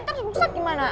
terus rusak gimana